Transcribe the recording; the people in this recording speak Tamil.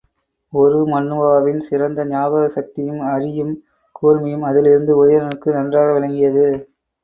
உருமண்ணுவாவின் சிறந்த ஞாபகசக்தியும் அறியும் கூர்மையும் அதிலிருந்து உதயணனுக்கு நன்றாக விளங்கியது.